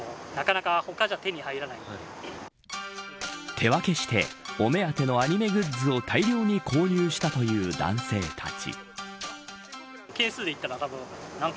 手分けしてお目当てのアニメグッズを大量に購入したという男性たち。